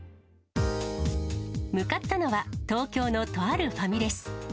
向かったのは東京のとあるファミレス。